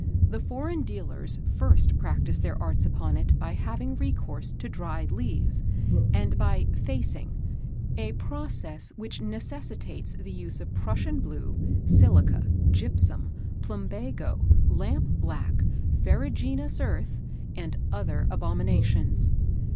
The foreign dealers first practise their arts upon it by having recourse to dried leaves, and by "facing" a process which necessitates the use of Prussian blue, silica, gypsum, plumbago, lamp black, ferruginous earth, and other abominations.